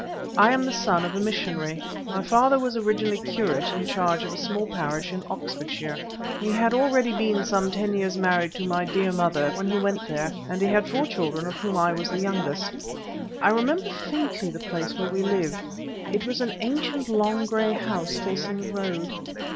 I am the son of a missionary. My father was originally curate in charge of a small parish in Oxfordshire. He had already been some ten years married to my dear mother when he went there, and he had four children, of whom I was the youngest. I remember faintly the place where we lived. It was an ancient long grey house, facing the road.